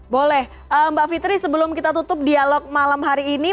boleh mbak fitri sebelum kita tutup dialog malam hari ini